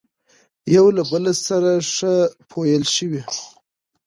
يوه له بل سره ښه پويل شوي،